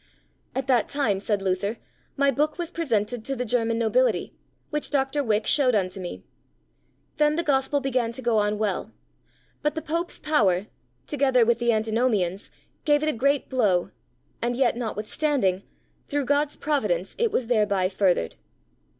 At that time, said Luther, my book was presented to the German nobility, which Dr. Wick showed unto me. Then the Gospel began to go on well, but the Pope's power, together with the Antinomians, gave it a great blow, and yet, notwithstanding, through God's Providence, it was thereby furthered.